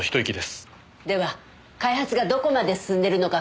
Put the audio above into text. では開発がどこまで進んでるのか詳しく。